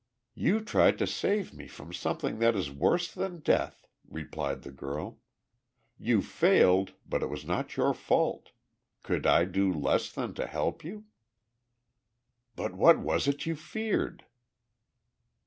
"You tried to save me from something that is worse than death," replied the girl. "You failed, but it was not your fault. Could I do less than to help you?" "But what was it you feared?"